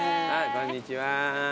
こんにちは。